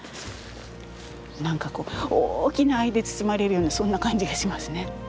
何かこう大きな愛で包まれるようなそんな感じがしますね。